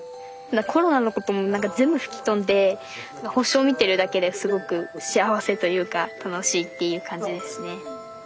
コロナのことも全部吹き飛んで星を見てるだけですごく幸せというか楽しいっていう感じですね。